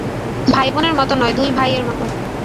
ভাই বোনের মতো নয়, দুই ভাই-এর মতো।